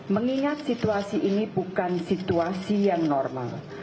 mengingat situasi ini bukan situasi yang normal